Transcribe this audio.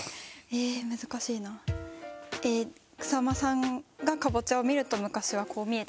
ええー難しいな。草間さんがカボチャを見ると昔はこう見えてた。